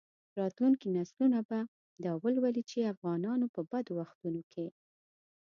راتلونکي نسلونه به دا ولولي چې افغانانو په بدو وختونو کې.